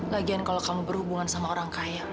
lagian kalau kamu berhubungan sama orang kaya